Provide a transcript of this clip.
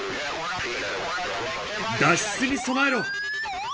脱出に備えろ。